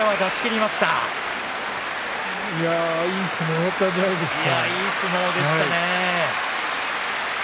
いい相撲だったんじゃないですか。